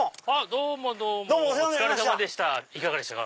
どうもどうもお疲れさまでしたいかがでしたか？